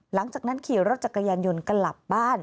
หลังจากนั้นขี่รถจักรยานยนต์กลับบ้าน